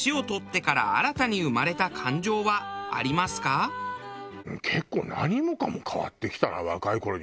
お二人は結構何もかも変わってきたな若い頃に比べると。